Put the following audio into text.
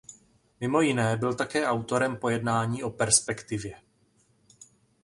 Mimo jiné byl také autorem pojednání o perspektivě.